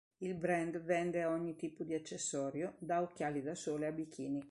Il brand vende ogni tipo di accessorio, da occhiali da sole a bikini.